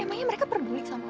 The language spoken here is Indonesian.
emangnya mereka perbulik sama lo